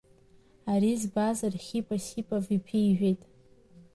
Ари збаз Архип Осипов, иԥижәеит.